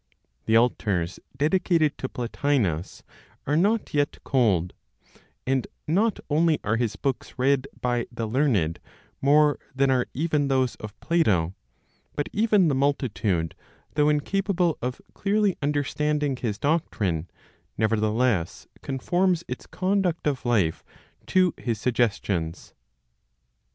The altars dedicated to Plotinos are not yet cold; and not only are his books read by the learned more than are even those of Plato, but even the multitude, though incapable of clearly understanding his doctrine, nevertheless conforms its conduct of life to his suggestions.